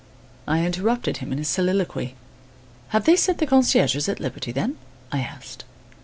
I interrupted him in his soliloquy: "Have they set the concierges at liberty, then?" I asked.